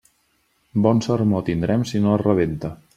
Bon sermó tindrem si no es rebenta.